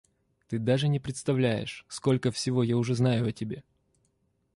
Ты даже не представляешь, сколько всего я уже знаю о тебе.